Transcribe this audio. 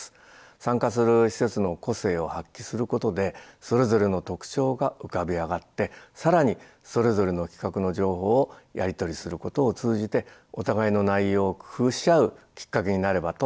参加する施設の個性を発揮することでそれぞれの特徴が浮かび上がって更にそれぞれの企画の情報をやり取りすることを通じてお互いの内容を工夫し合うきっかけになればと思っています。